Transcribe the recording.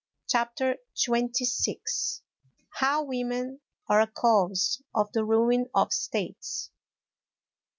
CHAPTER XXVI.—_How Women are a cause of the ruin of States.